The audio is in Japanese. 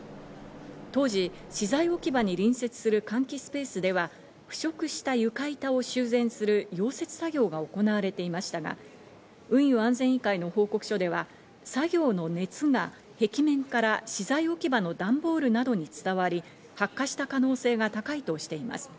当時、資材置き場に隣接する換気スペースでは、腐食した床板を修繕する溶接作業が行われていましたが、運輸安全委員会の報告書では作業の熱が壁面から資材置き場の段ボールなどに伝わり、発火した可能性が高いとしています。